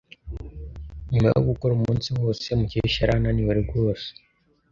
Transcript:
Nyuma yo gukora umunsi wose, Mukesha yari ananiwe rwose.